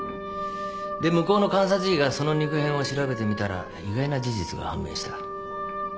で向こうの監察医がその肉片を調べてみたら意外な事実が判明した。